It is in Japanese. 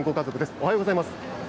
おはようございます。